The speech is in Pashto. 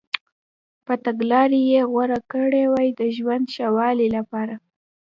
بله تګلارې یې غوره کړي وای د ژوند ښه والي لپاره.